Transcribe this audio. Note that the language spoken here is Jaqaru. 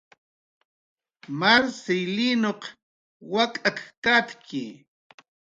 Marcilinuq wak'ak katki